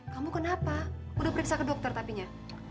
kamu kenapa udah periksa ke dokter tapinya